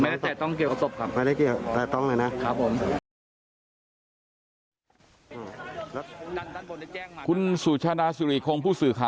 แล้วตอนแรกเห็นลักษณะศพคือ